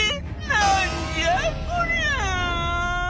「何じゃこりゃ！」。